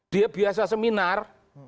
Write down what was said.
dia biasa seminar